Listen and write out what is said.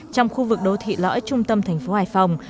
trong khu vực đô thị lõi trung tâm thành phố hải phòng